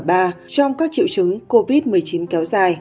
trong các triệu chứng covid một mươi chín kéo dài